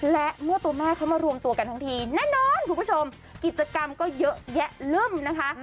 และเมื่อตัวแม่เขามารวมตัวกันทั้งทีแน่นอนคุณผู้ชมกิจกรรมก็เยอะแยะลึ่มนะคะ